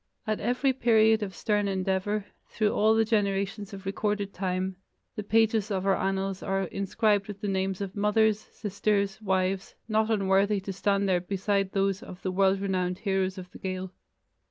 At every period of stern endeavor, through all the generations of recorded time, the pages of our annals are inscribed with the names of mothers, sisters, wives, not unworthy to stand there beside those of the world renowned heroes of the Gael.